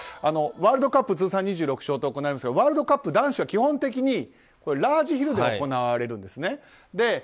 ワールドカップ通算２６勝とありますがワールドカップ男子は基本的にラージヒルで行われるんですね。